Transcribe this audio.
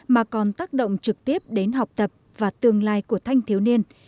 mà còn tác động trực tiếp đến học tập và tương lai của thanh thiếu niên